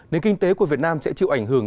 nền kinh tế của việt nam sẽ chịu ảnh hưởng